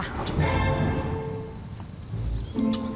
เฮ่ย